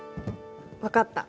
わかった！